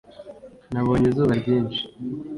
Nabonye izuba ryinshi